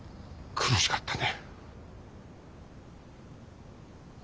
苦しかったね。